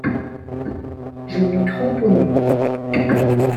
Je m’y cramponnai.